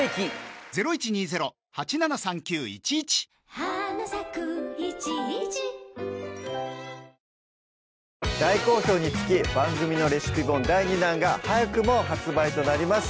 はい大好評につき番組のレシピ本第２弾が早くも発売となります